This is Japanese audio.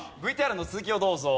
ＶＴＲの続きをどうぞ。